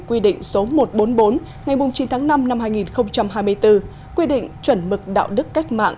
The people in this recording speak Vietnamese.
quy định số một trăm bốn mươi bốn ngày chín tháng năm năm hai nghìn hai mươi bốn quy định chuẩn mực đạo đức cách mạng